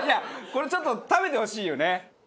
これちょっと食べてほしいよね。